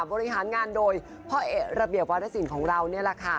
บริหารงานโดยพ่อเอกระเบียบวารสินของเรานี่แหละค่ะ